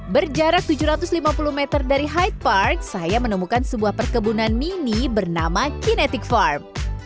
berjarak tujuh ratus lima puluh meter dari hyde park saya menemukan sebuah perkebunan mini bernama kinetic farm